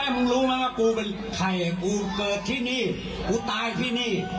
มึงรู้ไหมว่ากูเป็นใครกูเกิดที่นี่กูตายที่นี่